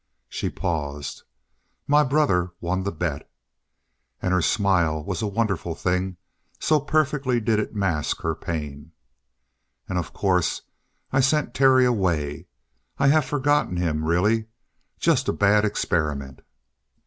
She paused. "My brother won the bet!" And her smile was a wonderful thing, so perfectly did it mask her pain. "And, of course, I sent Terry away. I have forgotten him, really. Just a bad experiment."